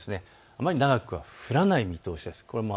あまり長くは降らないでしょう。